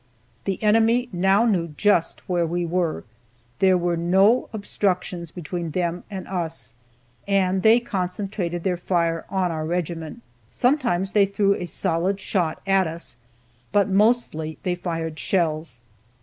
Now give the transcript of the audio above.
The enemy now knew just where we were, there were no obstructions between them and us, and they concentrated their fire on our regiment. Sometimes they threw a solid shot at us, but mostly they fired shells.